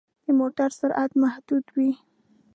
د موټر سرعت محدود وي.